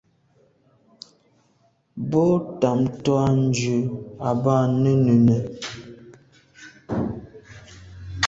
Bo tamtô à jù à b’a nunenùne.